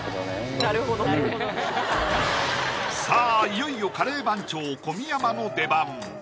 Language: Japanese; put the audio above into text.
いよいよカレー番長・小宮山の出番